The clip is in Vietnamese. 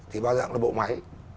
thì bao dạng là bộ máy